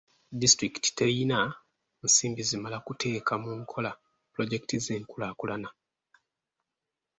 Disitulikiti teyina nsimbi zimala kuteeka mu nkola pulojekiti z'enkulaakulana.